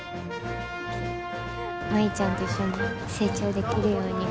舞ちゃんと一緒に成長できるように。